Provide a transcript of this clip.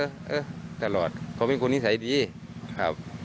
เออตลอดเขาเป็นคนนิสัยดีครับ